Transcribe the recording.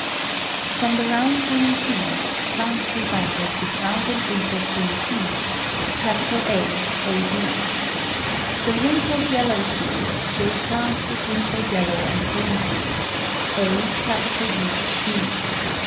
From the round green seeds, plants resulted with round and wrinkled green seeds, Aab. The wrinkled yellow seeds gave plants with wrinkled yellow and green seeds, aBb.